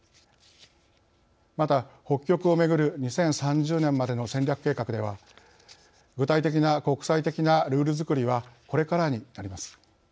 また、北極をめぐる２０３０年までの戦略計画では具体的な国際的なルールづくりはこれからになります。